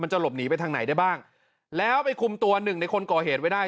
จะหลบหนีไปทางไหนได้บ้างแล้วไปคุมตัวหนึ่งในคนก่อเหตุไว้ได้